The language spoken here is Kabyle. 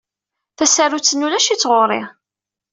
Tasarut-nni ulac-itt ɣer-i.